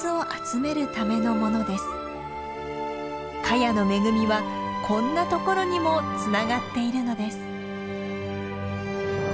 カヤの恵みはこんなところにもつながっているのです。